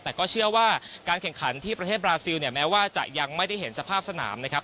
แต่ก็เชื่อว่าการแข่งขันที่ประเทศบราซิลเนี่ยแม้ว่าจะยังไม่ได้เห็นสภาพสนามนะครับ